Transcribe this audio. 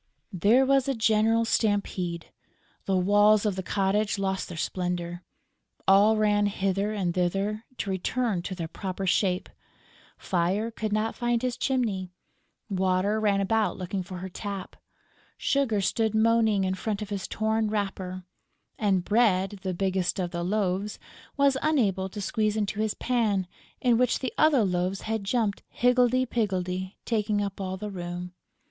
There was a general stampede. The walls of the cottage lost their splendour. All ran hither and thither, to return to their proper shape: Fire could not find his chimney; Water ran about looking for her tap; Sugar stood moaning in front of his torn wrapper; and Bread, the biggest of the loaves, was unable to squeeze into his pan, in which the other loaves had jumped higgledy piggledy, taking up all the room.